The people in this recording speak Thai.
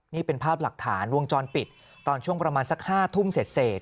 นี่เป็นภาพหลักฐานวงจรปิดตอนช่วงประมาณสัก๕ทุ่มเสร็จ